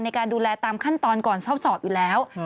ในการดูแลตามขั้นตอนก่อนชอบสอบอยู่แล้ว